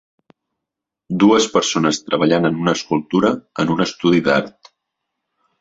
Dues persones treballant en una escultura en un estudi d'art.